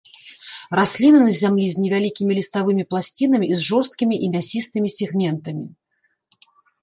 Расліны на зямлі з невялікімі ліставымі пласцінамі і з жорсткімі і мясістымі сегментамі.